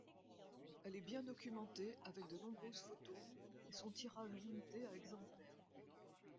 Elle est bien documentée avec de nombreuses photos, et son tirage limité à exemplaires.